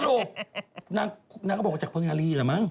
สรุปนางเขาบอกว่าจากเพิงนาลีแหละมั้ง